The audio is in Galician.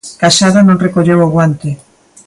Casado non recolleu o guante.